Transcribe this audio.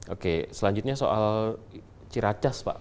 oke selanjutnya soal ciracas pak